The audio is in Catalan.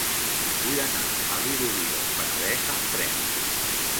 Vull anar a Vilobí del Penedès amb tren.